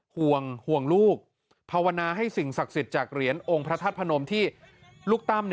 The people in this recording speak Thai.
ห่วงลูกภาวนาให้สิ่งศักดิ์สิทธิ์จากเหรียญองค์พระธาตุพนมที่ลูกตั้ม